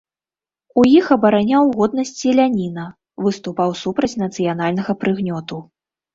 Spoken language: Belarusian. У іх абараняў годнасць селяніна, выступаў супраць нацыянальнага прыгнёту.